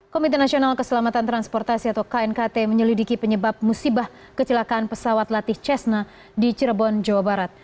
komite nasional keselamatan transportasi atau knkt menyelidiki penyebab musibah kecelakaan pesawat latih cessna di cirebon jawa barat